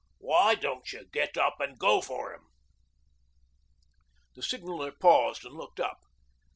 Why don't you get up an' go for 'em?"' The Signaller paused and looked up.